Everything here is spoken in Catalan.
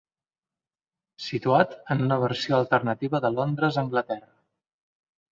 Situat en una versió alternativa de Londres, Anglaterra.